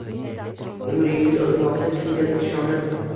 Umringiz o’tmoqda kimga ishonib?